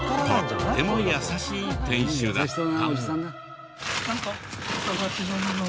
とっても優しい店主だった。